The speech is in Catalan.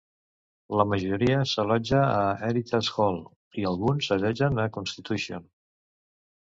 La majoria s'allotja a Heritage Hall i alguns s'allotgen a Constitution.